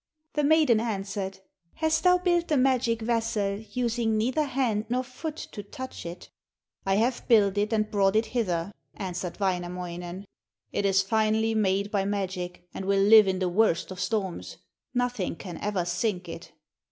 The maiden answered: 'Hast thou built the magic vessel, using neither hand nor foot to touch it?' 'I have built it, and brought it hither,' answered Wainamoinen. 'It is finely made by magic, and will live in the worst of storms; nothing can ever sink it.'